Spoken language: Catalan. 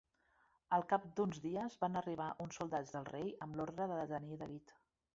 Al cap d'uns dies van arribar uns soldats del rei amb l'ordre de detenir David.